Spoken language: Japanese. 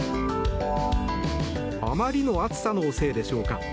あまりの暑さのせいでしょうか。